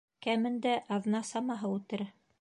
— Кәмендә аҙна самаһы үтер.